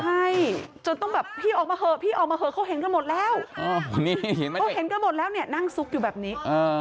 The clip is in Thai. ใช่จนต้องแบบพี่ออกมาเถอะพี่ออกมาเถอะเขาเห็นกันหมดแล้วเขาเห็นกันหมดแล้วเนี่ยนั่งซุกอยู่แบบนี้